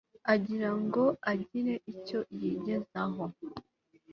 agira ngo agire icyo yigezaho